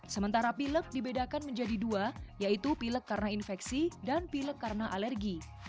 sementara pilek dibedakan menjadi dua yaitu pilek karena infeksi dan pilek karena alergi